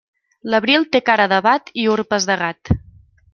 L'abril té cara d'abat i urpes de gat.